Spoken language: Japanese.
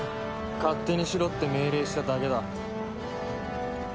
勝手にしろって命令しただけだ。